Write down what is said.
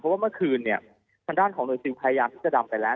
เพราะว่าเมื่อคืนเนี่ยทางด้านของหน่วยซิลพยายามที่จะดำไปแล้ว